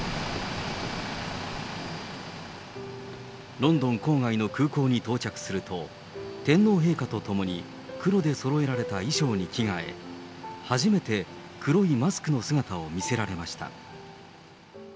ロンドン郊外の空港に到着すると、天皇陛下と共に黒でそろえられた衣装に着替え、初めて黒いマスクの姿を見せられました。